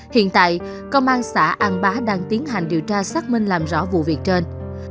hiện tại công an xã an bá đang tiến hành điều tra xác minh làm rõ vụ việc trên